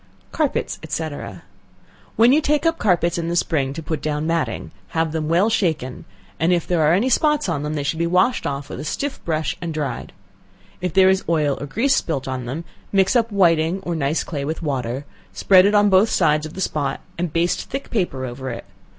Carpets, &c. When you take up carpets in the spring to put down matting, have them well shaken, and if there are any spots on them, they should be washed off with a stiff brush and dried; if there is oil or grease spilt on them, mix up whiting or nice clay with water; spread it on both sides of the spot, and baste thick paper over it.